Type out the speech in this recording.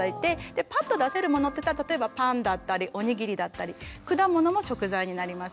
パッと出せるものっていったら例えばパンだったりおにぎりだったり果物も食材になります。